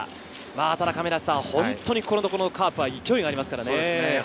ただ本当にこのところのカープは勢いがありますね。